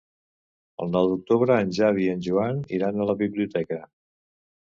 El nou d'octubre en Xavi i en Joan iran a la biblioteca.